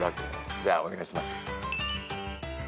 じゃあお願いします。